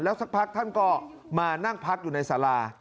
สักพักท่านก็มานั่งพักอยู่ในสารา